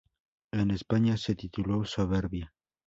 En España se tituló "Soberbia".